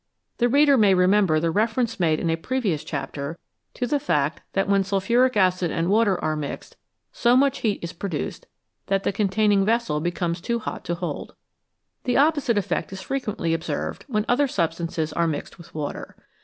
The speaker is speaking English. The reader may remember the reference made in a previous chapter to the fact that when sulphuric acid and water are mixed, so much heat is produced that the containing vessel becomes too hot to hold. The opposite effect is frequently observed when other substances are mixed with water.